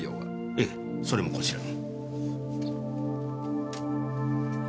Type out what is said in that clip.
ええそれもこちらに。